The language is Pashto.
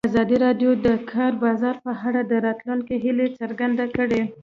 ازادي راډیو د د کار بازار په اړه د راتلونکي هیلې څرګندې کړې.